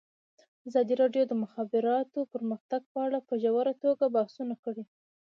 ازادي راډیو د د مخابراتو پرمختګ په اړه په ژوره توګه بحثونه کړي.